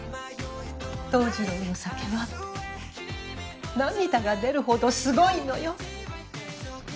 桃次郎の酒は涙が出るほどすごいのよ。